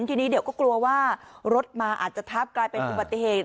ทีนี้เดี๋ยวก็กลัวว่ารถมาอาจจะทับกลายเป็นอุบัติเหตุ